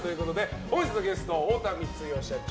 本日のゲスト、太田光代社長